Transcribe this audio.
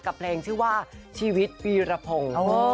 กับแผงชื่อว่าชีวิตบีระภง